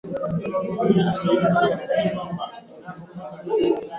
Mama anawezi paka ku lima mashamba